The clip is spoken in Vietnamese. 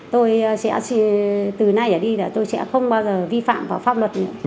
tôi sẽ từ nay ở đi là tôi sẽ không bao giờ vi phạm vào pháp luật nữa